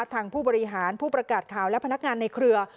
ผู้บริหารผู้ประกาศข่าวและพนักงานในเครือ